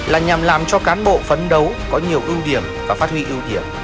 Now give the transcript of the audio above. là nhằm làm cho cán bộ phấn đấu có nhiều ưu điểm và phát huy ưu điểm